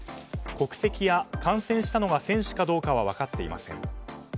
国籍や感染したのが選手かどうかは分かっていません。